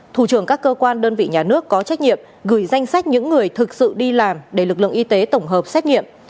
thủ trưởng các cơ quan đơn vị nhà nước có trách nhiệm gửi danh sách những người thực sự đi làm để lực lượng y tế tổng hợp xét nghiệm